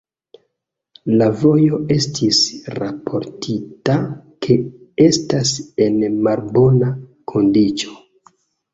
La vojo estis raportita ke estas en malbona kondiĉo.